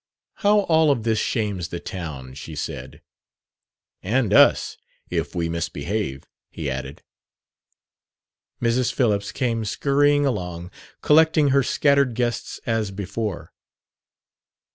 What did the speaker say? "How all of this shames the town!" she said. "And us if we misbehave," he added. Mrs. Phillips came scurrying along, collecting her scattered guests, as before.